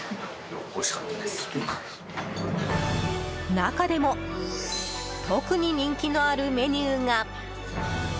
中でも特に人気のあるメニューが。